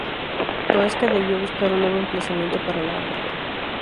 Toesca debió buscar un nuevo emplazamiento para la obra.